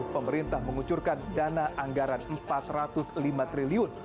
pemerintah mengucurkan dana anggaran rp empat ratus lima triliun